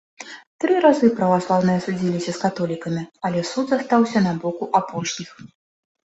Тры разы праваслаўныя судзіліся з каталікамі, але суд застаўся на боку апошніх.